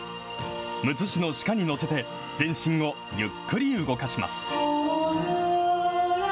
むつ市の市歌に乗せて、全身をゆっくり動かします。